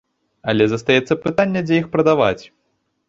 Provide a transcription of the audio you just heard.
Але застаецца пытанне, дзе іх прадаваць.